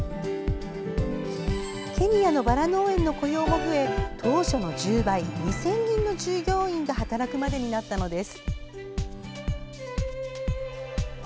ケニアのバラ農園の雇用も増え当初の１０倍２０００人の従業員が働くまでになったのです。